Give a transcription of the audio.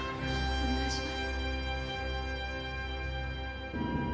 お願いします